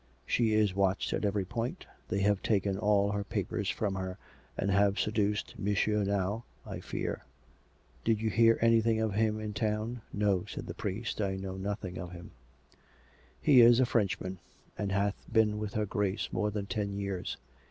She is watched at every point. They have taken all her papers from her, and have seduced M. Nau, I fear. Did you hear anything of him in town .''"" No," said the priest. " I know nothing of him." " He is a Frenchman, and hath been with her Grace more than ten years.